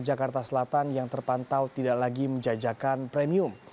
jakarta selatan yang terpantau tidak lagi menjajakan premium